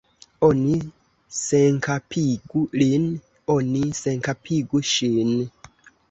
Oni senkapigu lin, oni senkapigu ŝin!